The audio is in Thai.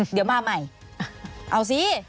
เดี๋ยวมาใหม่เอาสิ